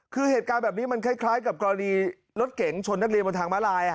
คือเหตุการณ์แบบนี้มันคล้ายกับกรณีรถเก๋งชนนักเรียนบนทางมาลาย